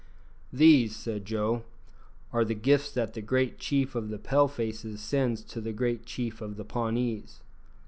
"These," said Joe, "are the gifts that the great chief of the Pale faces sends to the great chief of the Pawnees.